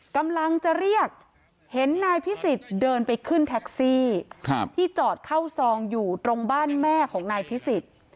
กำลังจะเรียกเห็นนายพิสิทธิ์เดินไปขึ้นแท็กซี่ที่จอดเข้าซองอยู่ตรงบ้านแม่ของนายพิสิทธิ์